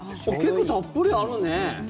結構たっぷりあるね。